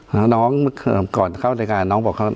น้องน้องมึงก่อนเข้าในอายการน้องบอกเขา